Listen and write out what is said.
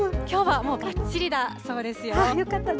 きょうはもう、ばっちりだそうですよ。